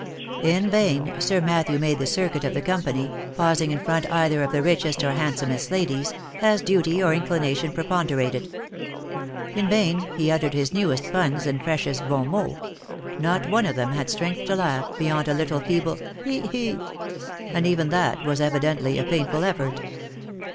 In vain Sir Matthew made the circuit of the company, pausing in front either of the richest or handsomest ladies, as duty or inclination preponderated ; in vain he uttered his newest puns and freshest bon mots — not one of them had strength to laugh, beyond a little feeble " he, he !" and even that was evidently a painful effort.